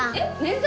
えっ？